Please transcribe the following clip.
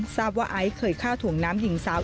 ทราบว่าไอซ์เคยฆ่าถ่วงน้ำหญิงสาว